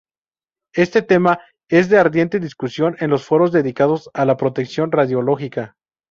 Este tema es de ardiente discusión en los foros dedicados a la protección radiológica.